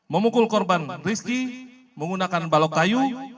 memukul korban rizky menggunakan balok kayu